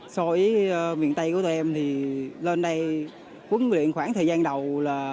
so với miền tây của tụi em thì lên đây quấn luyện khoảng thời gian đầu là